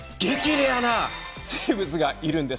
レアな生物がいるんです。